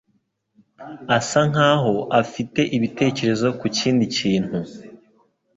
asa nkaho afite ibitekerezo ku kindi kintu.